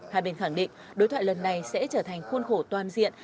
hai bên khẳng định đối thoại lần này sẽ trở thành khuôn khổ toàn diện